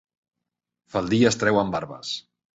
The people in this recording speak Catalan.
Faldilles treuen barbes.